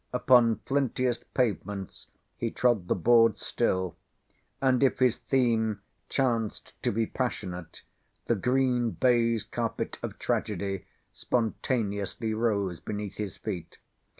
Upon flintiest pavements he trod the boards still; and if his theme chanced to be passionate, the green baize carpet of tragedy spontaneously rose beneath his feet.